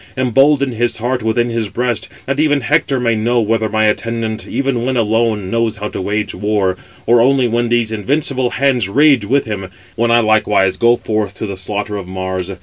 embolden his heart within his breast, that even Hector may know whether my attendant, even when alone, knows how to wage war, or [only] when these invincible hands rage with him, when I likewise go forth to the slaughter of Mars.